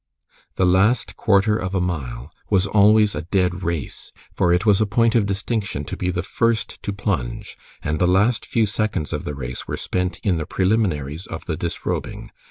The last quarter of a mile was always a dead race, for it was a point of distinction to be the first to plunge, and the last few seconds of the race were spent in the preliminaries of the disrobing.